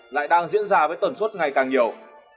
lại đang diễn ra với tuần suốt ngày càng nhiều